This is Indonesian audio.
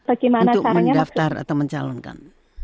untuk mendaftar atau mencalonkan